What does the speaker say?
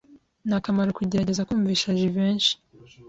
Nta kamaro kugerageza kumvisha Jivency.